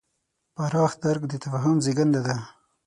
پراخ درک د تفاهم زېږنده دی.